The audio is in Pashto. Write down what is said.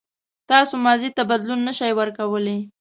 تاسو ماضي ته بدلون نه شئ ورکولای.